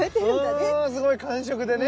うんすごい感触でね。